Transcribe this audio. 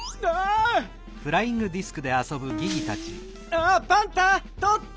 あっパンタとって！